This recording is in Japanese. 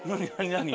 何？